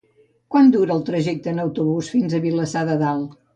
Quant dura el trajecte en autobús fins a Vilassar de Dalt?